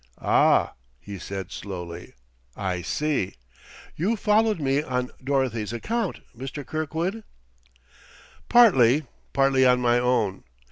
"Ah," he said slowly, "I see. You followed me on Dorothy's account, Mr. Kirkwood?" "Partly; partly on my own.